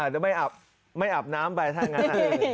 จะไม่อาบไม่อาบน้ำไปถ้างั้น